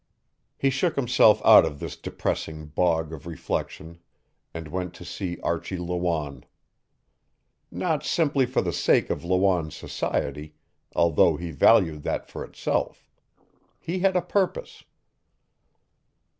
He shook himself out of this depressing bog of reflection and went to see Archie Lawanne. Not simply for the sake of Lawanne's society, although he valued that for itself. He had a purpose.